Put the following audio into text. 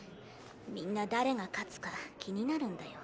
みんな誰が勝つか気になるんだよ。